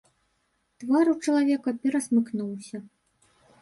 Твар у чалавека перасмыкнуўся.